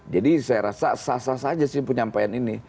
jadi saya rasa sah sah saja sih penyampaian ini